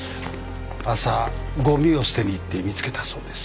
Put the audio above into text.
朝ごみを捨てに行って見つけたそうです。